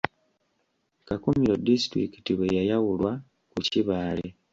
Kakumiro disitulikiti bwe yayawulwa ku Kibaale.